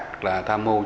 tức là tham mưu chức năng